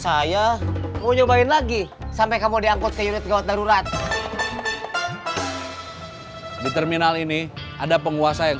saya mau nyobain lagi sampai kamu diangkut ke unit gawat darurat di terminal ini ada penguasa yang